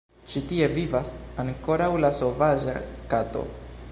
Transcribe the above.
Ĉi tie vivas ankoraŭ la sovaĝa kato.